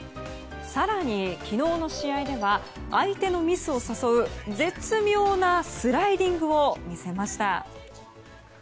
更に昨日の試合では相手のミスを誘う絶妙なスライディングを見せました。